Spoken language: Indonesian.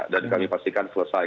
dan kami pastikan selesai